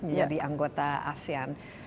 jadi anggota asean